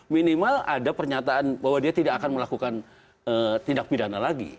minimal ada pernyataan bahwa dia tidak akan melakukan tindak pidana lagi